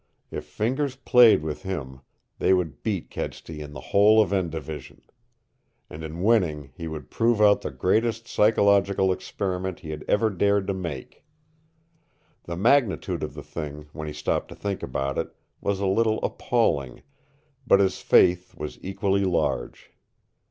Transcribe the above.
If Fingers played with him, they would beat Kedsty and the whole of N Division! And in winning he would prove out the greatest psychological experiment he had ever dared to make. The magnitude of the thing, when he stopped to think of it, was a little appalling, but his faith was equally large.